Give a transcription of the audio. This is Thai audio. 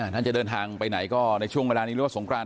ท่านจะเดินทางไปไหนก็ในช่วงเวลานี้หรือว่าสงคราน